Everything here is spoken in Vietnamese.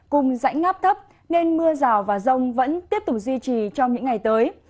cùng rãnh ngáp thấp nên mưa rào và rông vẫn tiếp tục duy trì trong những ngày tới